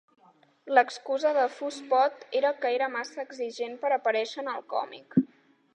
L'excusa de Fuss Pot era que era massa exigent per aparèixer en el còmic.